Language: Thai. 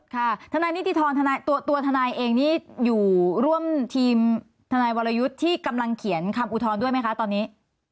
ทนายนิติธรตัวทนายเองนี่อยู่ร่วมทีมทนายวรยุทธ์ที่กำลังเขียนคำอุทธรณ์ด้วยไหมคะตอนนี้